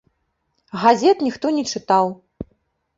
Газет ніхто не чытаў.